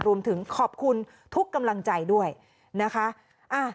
รวมถึงขอบคุณทุกกำลังใจด้วยนะคะ